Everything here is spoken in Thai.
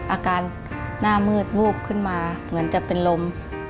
อาการหน้ามืดวูบขึ้นมาเหมือนจะเป็นลม